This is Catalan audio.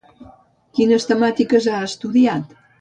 Quines temàtiques ha estudiat?